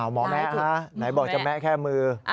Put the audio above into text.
หมอแม่คะไหนบอกจะแม่แค่มือ